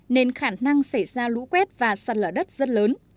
nên khả năng xảy ra lũ quét và sạt lở đất rất lớn